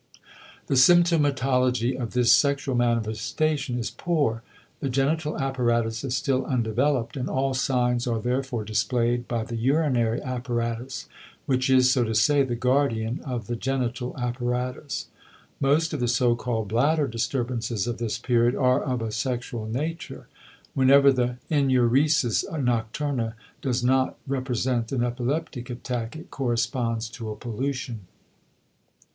The symptomatology of this sexual manifestation is poor; the genital apparatus is still undeveloped and all signs are therefore displayed by the urinary apparatus which is, so to say, the guardian of the genital apparatus. Most of the so called bladder disturbances of this period are of a sexual nature; whenever the enuresis nocturna does not represent an epileptic attack it corresponds to a pollution.